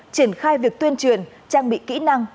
triển khai việc tuyên truyền trang bị kỹ năng